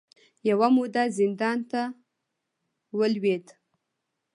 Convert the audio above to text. یوه موده زندان ته ولوېد